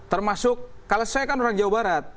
termasuk kalau saya kan orang jawa barat